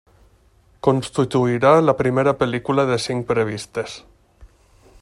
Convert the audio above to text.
Constituirà la primera pel·lícula de cinc previstes.